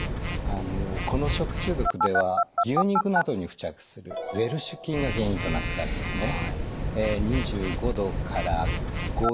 この食中毒では牛肉などに付着するウエルシュ菌が原因となったんですね。